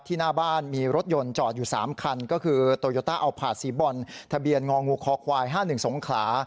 หน้าบ้านมีรถยนต์จอดอยู่๓คันก็คือโตโยต้าเอาผาดสีบอลทะเบียนงองูคอควาย๕๑สงขลา